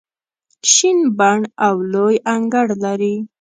شین بڼ او لوی انګړ لري.